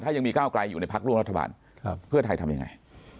ถ้ายังมีก้าวไกลอยู่ในพักร่วมรัฐบาลเพื่อไทยทำยังไง